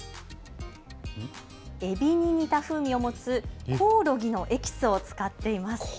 えびに似た風味を持つコオロギのエキスを使っています。